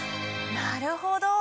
なるほど。